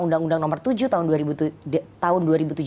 undang undang nomor tujuh tahun dua ribu tujuh belas